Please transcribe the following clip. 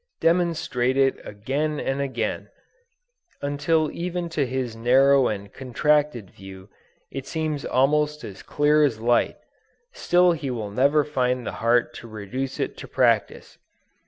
Demonstrate it again and again, until even to his narrow and contracted view it seems almost as clear as light, still he will never find the heart to reduce it to practice.